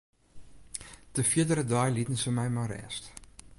De fierdere dei lieten se my mei rêst.